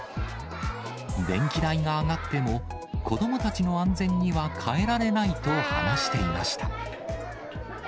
電気代が上がっても、子どもたちの安全には代えられないと話していました。